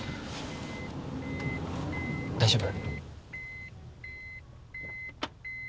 大丈夫？